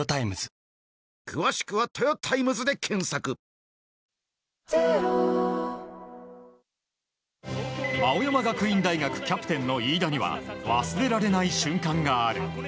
立ったそれが東京海上日動青山学院大学キャプテンの飯田には忘れられない瞬間がある。